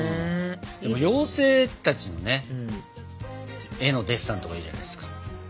でも妖精たちのね絵のデッサンとかいいじゃないですか。